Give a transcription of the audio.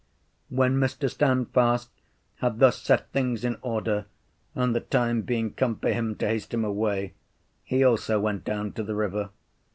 When Mr. Stand fast had thus set things in order, and the time being come for him to haste him away, he also went down to the river.